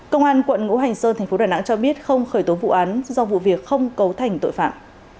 công an quận ngũ hành sơn thành phố đà nẵng cho biết không khởi tố vụ án do vụ việc không cấu thành tội phạm